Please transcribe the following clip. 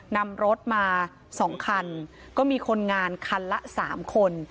นำรถมา๒คันก็มีคนงานคันละ๓คน